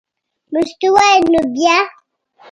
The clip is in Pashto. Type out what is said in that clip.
مستو وویل: نو بیا.